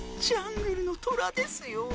ジャングルのトラですよ。